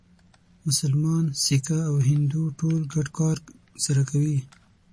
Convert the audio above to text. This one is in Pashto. مسلمان، سیکه او هندو ټول ګډ کار سره کوي.